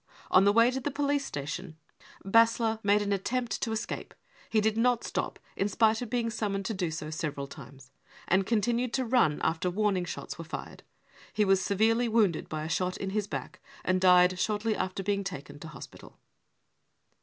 On the way to the police station B. made an attempt to escape. He did not stop in spite of being summoned to do so several times, and continued 1 ^ to run after warning shots were fired. He was severely ^ wounded by a shot in his back, and died shortly after being taken to hospital.